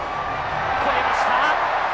越えました！